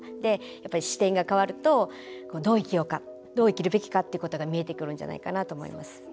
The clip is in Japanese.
視点が変わるとどう生きようかどう生きるべきか見えてくるんじゃないかと思います。